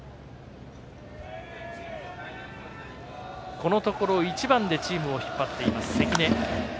このところ、１番でチームを引っ張っています関根。